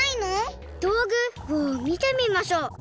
「どうぐ」をみてみましょう。